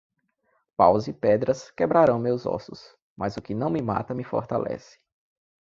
Paus e pedras quebrarão meus ossos, mas o que não me mata me fortalece.